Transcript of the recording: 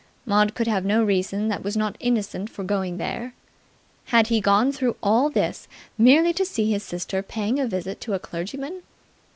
Maud could have no reason that was not innocent for going there. Had he gone through all this, merely to see his sister paying a visit to a clergyman?